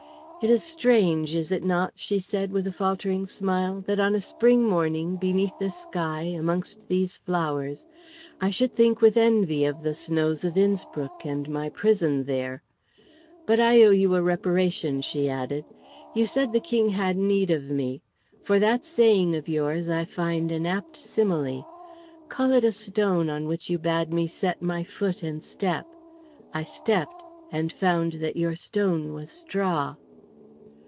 "It is strange, is it not," she said with a faltering smile, "that on a spring morning, beneath this sky, amongst these flowers, I should think with envy of the snows of Innspruck and my prison there? But I owe you a reparation," she added. "You said the King had need of me. For that saying of yours I find an apt simile. Call it a stone on which you bade me set my foot and step. I stepped, and found that your stone was straw."